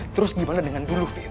terus gimana dengan dulu vive